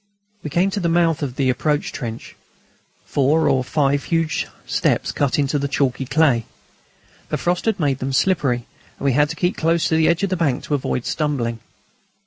We came to the mouth of the approach trench, four or five huge steps cut in the chalky clay. The frost had made them slippery, and we had to keep close to the edge of the bank to avoid stumbling.